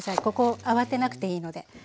ここ慌てなくていいので。